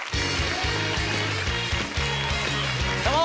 どうも。